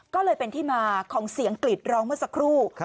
ก็เลยเป็นที่มาของเสียงกรีดร้องเมื่อสักครู่